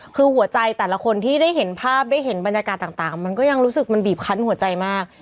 ซึ่งหัวใจแต่ละคนก็ยังรู้สึกมันบีบคันในหัวใจมาก